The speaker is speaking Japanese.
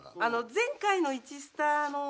前回の１スタの。